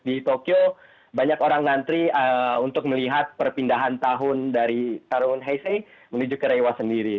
di tokyo banyak orang nantri untuk melihat perpindahan tahun dari tahun heisei menuju ke reiwa sendiri